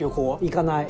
行かない。